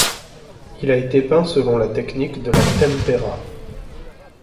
Il a été peint selon la technique de la tempera.